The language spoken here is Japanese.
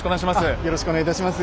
あっよろしくお願いいたします。